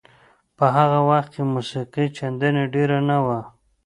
په هغه وخت کې موسیقي چندانې ډېره نه وه.